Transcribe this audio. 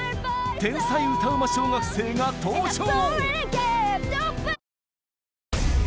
天才歌うま小学生が登場！